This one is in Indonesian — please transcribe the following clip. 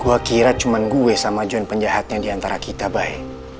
gue kira cuma gue sama john penjahatnya diantara kita by